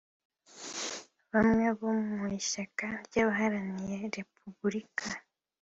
Bamwe mu bo mu ishyaka ry’abaharanira repubulika